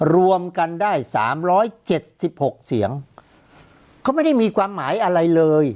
รวมกันได้สามร้อยเจ็ดสิบหกเสียงเขาไม่ได้มีความหมายอะไรเลย